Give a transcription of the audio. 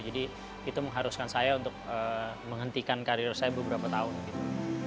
jadi itu mengharuskan saya untuk menghentikan karir saya beberapa tahun gitu